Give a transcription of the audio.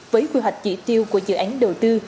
với quy hoạch chỉ tiêu của dự án đầu tư